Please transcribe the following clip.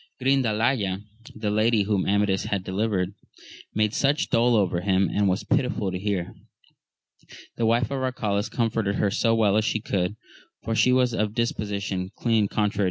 RINDALAYA, the lady whom Amadis had delivered, made such dole over him as was pitiful to hear. The wife of Arcalaus com forted her so well as she could, for she was of dispo sition clean conttaiy \.